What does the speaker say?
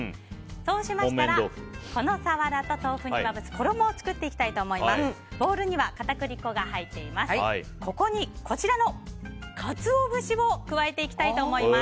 そうしましたらこのサワラと豆腐にまぶす衣を作っていきたいと思います。